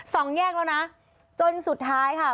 สองแยกแล้วนะจนสุดท้ายค่ะ